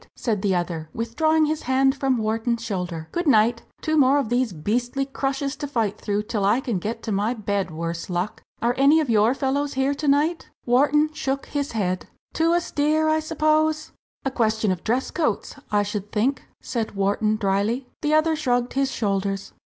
said the other, withdrawing his hand from Wharton's shoulder "good night! two more of these beastly crushes to fight through till I can get to my bed, worse luck! Are any of your fellows here to night?" Wharton shook his head. "Too austere, I suppose?" "A question of dress coats, I should think," said Wharton, drily. The other shrugged his shoulders.